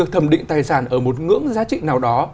thẩm định tài sản ở một ngưỡng giá trị nào đó